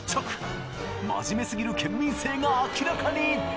真面目すぎる県民性が明らかに！